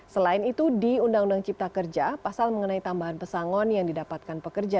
selain itu di undang undang cipta kerja pasal mengenai tambahan pesangon yang didapatkan pekerja